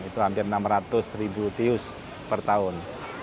itu hampir enam ratus ribu tius per tahun